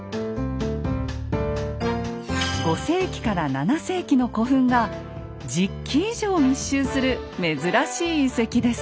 ５世紀から７世紀の古墳が１０基以上密集する珍しい遺跡です。